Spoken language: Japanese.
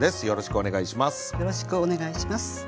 よろしくお願いします。